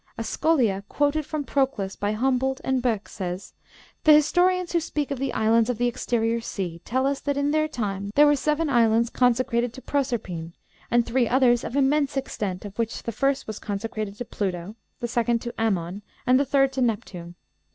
A scholia quoted from Proclus by Humboldt and Boeckh says: 'The historians who speak of the islands of the exterior sea tell us that in their time there were seven islands consecrated to Proserpine, and three others of immense extent, of which the first was consecrated to Pluto, the second to Ammon, and the third to Neptune.